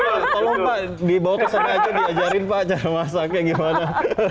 tolong pak dibawa ke sana aja diajarin pak cara masaknya gimana